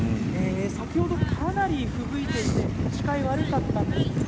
先ほど、かなり吹雪いていて視界が悪かったんです。